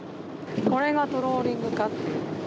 これがトローリングかっていう。